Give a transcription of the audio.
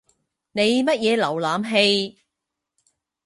你乜嘢瀏覽器？